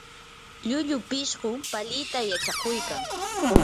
llullu pishqu palita yachakuykan.